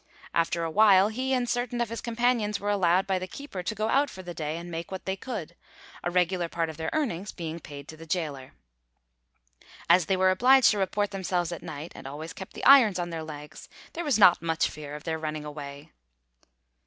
After a while, he and certain of his companions were allowed by the keeper to go out for the day and make what they could, a regular part of their earnings being paid to the gaoler. As they were obliged to report themselves at night and always kept the irons on their legs, there was not much fear of their running away.